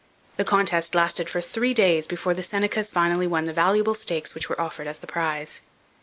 The contest lasted for three days before the Senecas finally won the valuable stakes which were offered as the prize.